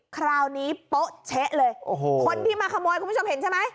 คราวนี้โป๊ะเช๊ะเลยโอ้โหคนที่มาขโมยคุณผู้ชมเห็นใช่ไหม